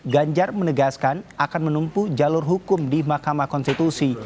ganjar menegaskan akan menempuh jalur hukum di mahkamah konstitusi